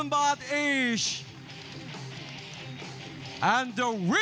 ๕๐๐๐บาทนี้